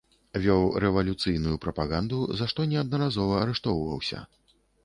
Вёў рэвалюцыйную прапаганду, за што неаднаразова арыштоўваўся.